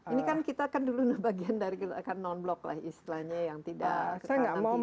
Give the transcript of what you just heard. ini kan kita kan dulu bagian dari non block lah istilahnya yang tidak ke kanan tidak ke kiri